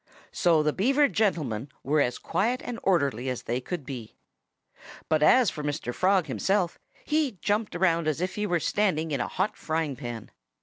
So the Beaver gentlemen were as quiet and orderly as they could be. But as for Mr. Frog himself, he jumped around as if he were standing in a hot frying pan.